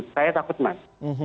saya takut mas